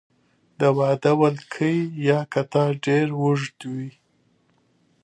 د واده ولکۍ یا قطار ډیر اوږد وي.